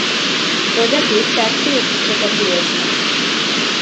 প্রজাতির চারটি উপপ্রজাতি আছে।